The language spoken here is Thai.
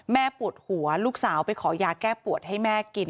ปวดหัวลูกสาวไปขอยาแก้ปวดให้แม่กิน